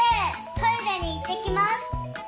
トイレに行ってきます！」